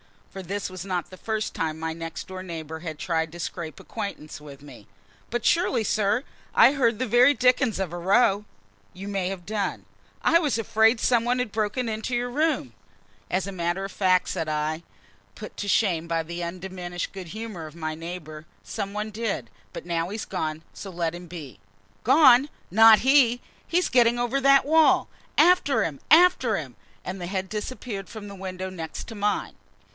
for this was not the first time my next door neighbor had tried to scrape acquaintance with me. "But surely, sir, I heard the very dickens of a row?" "You may have done." "I was afraid some one had broken into your room!" "As a matter of fact," said I, put to shame by the undiminished good humor of my neighbor, "some one did; but he's gone now, so let him be." "Gone? Not he! He's getting over that wall. After him after him!" And the head disappeared from the window next mine.